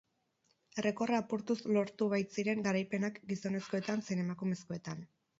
Errekorra apurtuz lortu baitziren garaipenak gizonezkoetan zein emakumezkoetan.